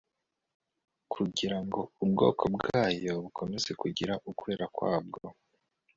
kugira ngo ubwoko bwayo bukomeze kugira ukwera kwabwo